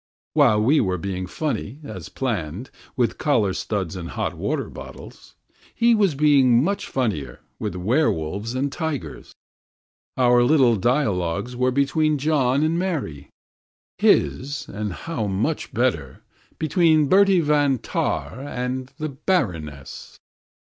While we were being funny, as planned, with collar studs and hot water bottles, he was being much funnier with werwolves and tigers. Our little dialogues were between John and Mary; his, and how much better, between Bertie van Tahn and the Baroness.